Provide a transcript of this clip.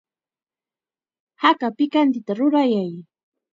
Haka pikantita rurayay.